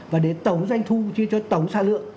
và để tổng doanh thu chia cho tổng xa lượng